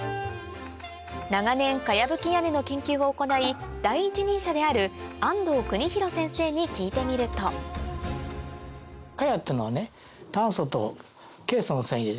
長年茅ぶき屋根の研究を行い第一人者である安藤邦廣先生に聞いてみると表面が。